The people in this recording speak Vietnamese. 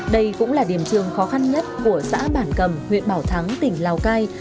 đây cũng là điểm trường khó khăn nhất của xã bản cầm huyện bảo thắng tỉnh lào cai